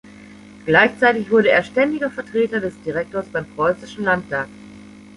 Gleichzeitig wurde er „Ständiger Vertreter des Direktors beim Preußischen Landtag“.